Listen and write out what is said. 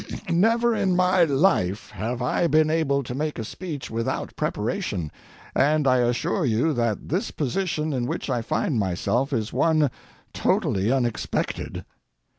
Never in my life have I been able to make a speech without preparation, and I assure you that this position in which I find myself is one totally unexpected.